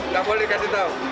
tak boleh dikasih tahu